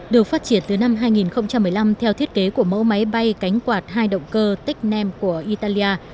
được phát triển từ năm hai nghìn một mươi năm theo thiết kế của mẫu máy bay cánh quạt hai động cơ technem của italia